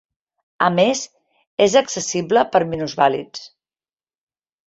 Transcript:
A més és accessible per minusvàlids.